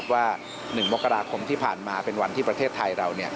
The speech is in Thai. ว่า๑มกราคมที่ผ่านมาเป็นวันที่ประเทศไทยเรา